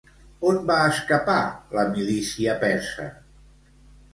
On va escapar la milícia persa?